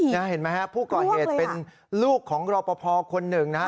เห็นไหมฮะผู้ก่อเหตุเป็นลูกของรอปภคนหนึ่งนะฮะ